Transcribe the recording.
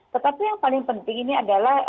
tetapi yang paling penting ini adalah